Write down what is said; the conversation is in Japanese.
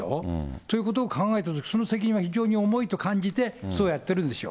ということを考えたとき、その責任は非常に重いと感じて、そうやってるんでしょう。